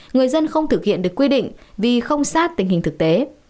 người dân không thực hiện được quy định vì không sát tình hình thực tế